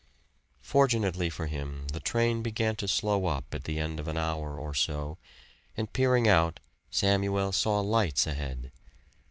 Fortunately for him the train began to slow up at the end of an hour or so, and peering out Samuel saw lights ahead.